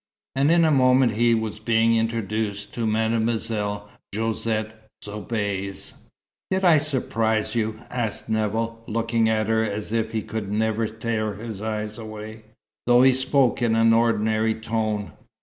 And in a moment he was being introduced to Mademoiselle Josette Soubise. "Did I surprise you?" asked Nevill, looking at her as if he could never tear his eyes away, though he spoke in an ordinary tone.